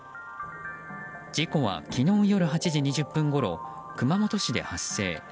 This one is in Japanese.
事故は昨日夜８時２０分ごろ熊本市で発生。